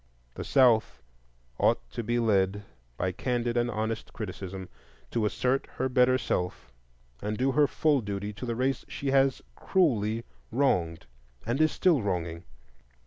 The South ought to be led, by candid and honest criticism, to assert her better self and do her full duty to the race she has cruelly wronged and is still wronging.